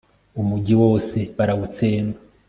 umugi wose barawutsemba